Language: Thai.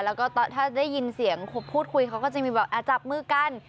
แล้วก็ถ้าได้ยินเสียงพูดคุยเขาก็จะมีแบบจับมือกัน